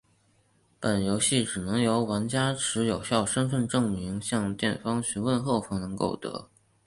本游戏只能由玩家持有效身份证明向店员询问后方能购得。